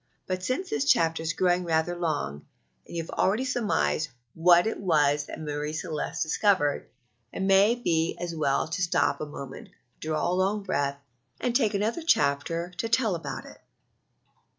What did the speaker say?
But since this chapter is growing rather long, and you have already surmised what it was that Marie Celeste discovered, it may be as well to stop a moment, draw a long breath, and take another chapter to tell about it.